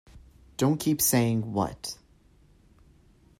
Don't keep saying, 'What?'